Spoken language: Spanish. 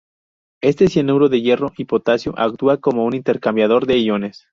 Este cianuro de hierro y potasio actúa como un intercambiador de iones.